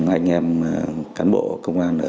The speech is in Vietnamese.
anh em cán bộ công an